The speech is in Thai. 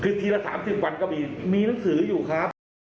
คือทีละ๓๐วันก็มีมีหนังสืออยู่ครับ